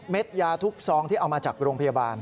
ยาทุกซองที่เอามาจากโรงพยาบาล